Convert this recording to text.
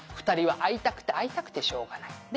「２人は会いたくて会いたくてしょうがない」